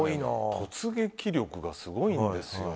突撃力がすごいんですよね。